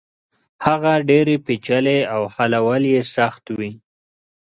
هغه ډېرې پېچلې او حلول يې سخت وي.